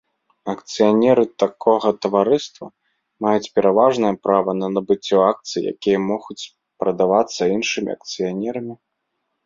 Акцыянеры такога таварыства маюць пераважнае права на набыццё акцый, якія могуць прадавацца іншымі акцыянерамі.